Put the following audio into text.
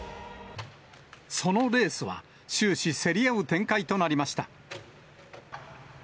そのレースは、終始、競り合う展開となりました。